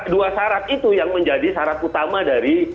dua syarat itu yang menjadi syarat utama dari